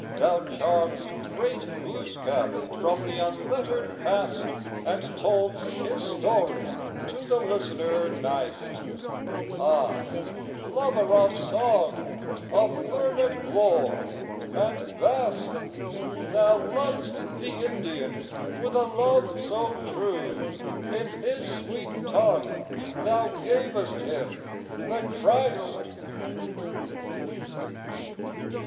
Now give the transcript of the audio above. Thou charm'dst great Glooscap from the unlettered past, And told'st his story to the listener nigh'st; Ay, lover of song, of learnëd lore and vast, Thou lov'dst the Indian with a love so true, In his sweet tongue thou gavest him the Christ.